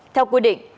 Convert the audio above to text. theo quy định